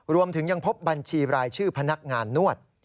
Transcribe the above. รวมถึงยังพบบัญชีรายชื่อพนักงานนวด